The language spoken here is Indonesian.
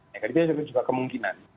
jadi itu juga kemungkinan